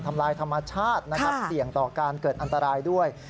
ลายธรรมชาตินะครับเสี่ยงต่อการเกิดอันตรายด้วย